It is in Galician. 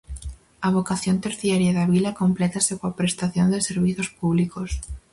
A vocación terciaria da vila complétase coa prestación de servizos públicos.